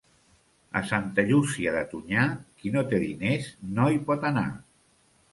A Santa Llúcia de Tonyà, qui no té diners no hi pot anar.